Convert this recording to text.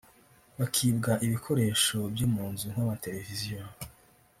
bakibwa ibikoresho byo mu nzu nk’amateleviziyo